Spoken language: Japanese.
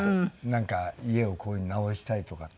なんか家をこういう風に直したいとかって。